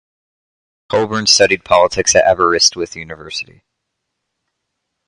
Colburn studied politics at Aberystwyth University.